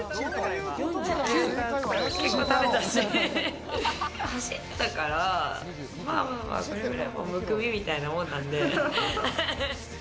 結構食べたし走ったから、これくらいは、むくみみたいなもんなんで。